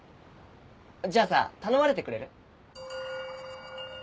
じゃあさ頼まれてくれる？